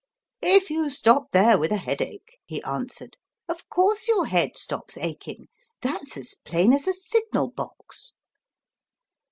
" "If you stop there with a headache," he answered, "of course your head stops aching; that's as plain as a signal box."